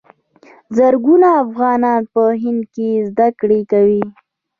زرګونه افغانان په هند کې زده کړې کوي.